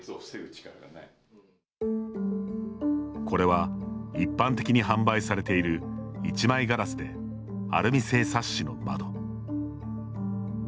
これは、一般的に販売されている１枚ガラスでアルミ製サッシの窓。